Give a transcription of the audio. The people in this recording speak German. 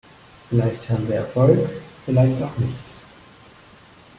Vielleicht haben wir Erfolg, vielleicht auch nicht.